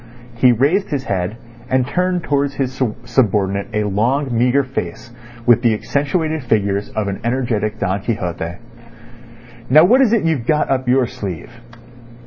He raised his head, and turned towards his subordinate a long, meagre face with the accentuated features of an energetic Don Quixote. "Now what is it you've got up your sleeve?"